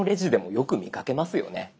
よく見かけます。